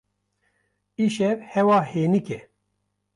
Îşev hewa hênik e.